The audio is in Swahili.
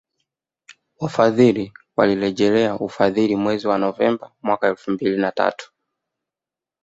Wafadhili walirejelea ufadhili mwezi wa Novemba mwaka elfu mbili na tatu